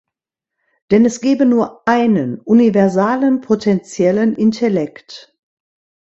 Denn es gebe nur "einen" universalen potenziellen Intellekt.